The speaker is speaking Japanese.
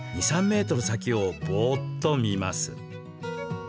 ２、３ｍ先をぼーっと見ます。